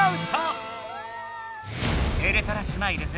ウルトラスマイルズ